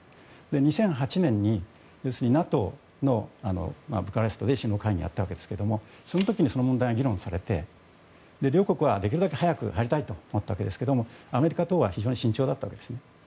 ２００８年にＮＡＴＯのブダペストで首脳会議があったわけですがその時にその問題が議論されて両国はできるだけ早く入りたいと思ったわけですがアメリカなどは非常に慎重だったんですね。